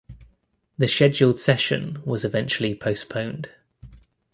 The scheduled session was eventually postponed.